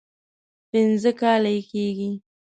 پنځه کاله یې کېږي.